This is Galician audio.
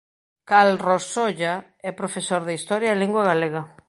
Calros Solla é profesor de historia e lingua galega.